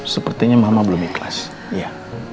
sepertinya mama belum ikhlas ya